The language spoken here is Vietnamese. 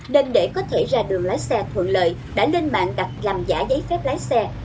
nên để có thể ra đường lái xe thuận lợi đã lên mạng đặt làm giả giấy phép lái xe